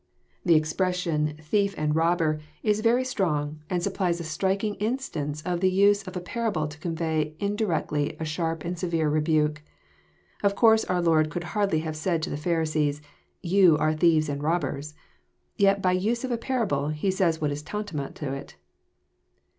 The expression, thief and rob^<ur, " is very strong, and sap JOHN, CHAP. X, 181 plies a striking instance of the use of a parable to convey indi« rectly a sharp and severe rebake. Of course our Lord could hardly have said to the Pharisees, '* You are thieves and rob bers." Yet by use of a parable, He says what is tantamount to it.